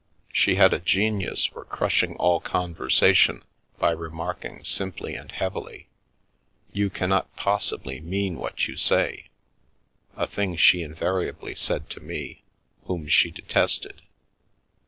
She had a genius for crushing all conversation by remarking simply and heavily, " You cannot possibly mean what you say," a thing she invariably said to me, whom she detested.